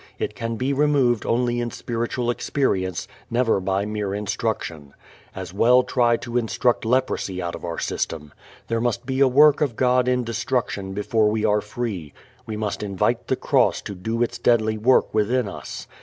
It can be removed only in spiritual experience, never by mere instruction. As well try to instruct leprosy out of our system. There must be a work of God in destruction before we are free. We must invite the cross to do its deadly work within us.